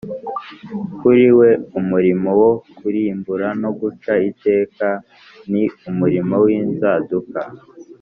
kuri we umurimo wo kurimbura no guca iteka ni ‘umurimo w’inzaduka